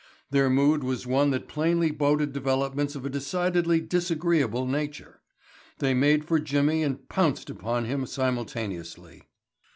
Their mood was one that plainly boded developments of a decidedly disagreeable nature. They made for Jimmy and pounced upon him simultaneously.